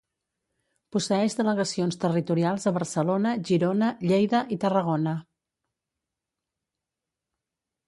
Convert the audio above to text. Posseeix delegacions territorials a Barcelona, Girona, Lleida i Tarragona.